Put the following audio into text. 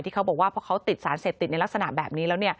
เขาบอกว่าเพราะเขาติดสารเสพติดในลักษณะแบบนี้แล้ว